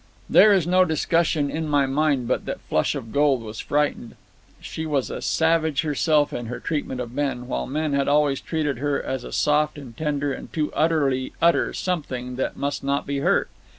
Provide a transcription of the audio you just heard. "There is no discussion in my mind but that Flush of Gold was frightened. She was a savage herself in her treatment of men, while men had always treated her as a soft and tender and too utterly utter something that must not be hurt.